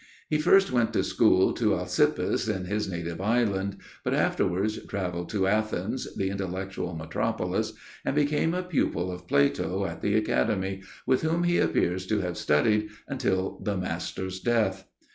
He first went to school to Alcippus in his native island, but afterwards travelled to Athens, the intellectual metropolis, and became a pupil of Plato at the Academy, with whom he appears to have studied until the Master's death.